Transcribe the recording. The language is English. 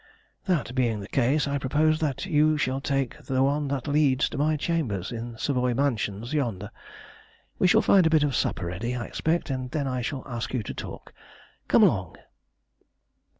"That being the case I propose that you shall take the one that leads to my chambers in Savoy Mansions yonder. We shall find a bit of supper ready, I expect, and then I shall ask you to talk. Come along!"